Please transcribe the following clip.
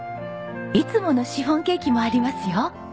いつものシフォンケーキもありますよ。